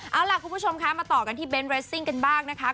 เอาล่ะคุณผู้ชมคะมาต่อกันที่เน้นเรสซิ่งกันบ้างนะคะ